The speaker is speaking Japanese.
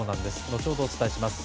後ほどお伝えします。